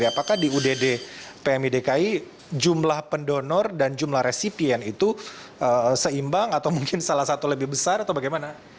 apakah di udd pmi dki jumlah pendonor dan jumlah resipien itu seimbang atau mungkin salah satu lebih besar atau bagaimana